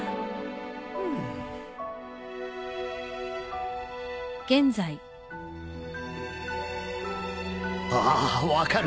フゥああ分かる。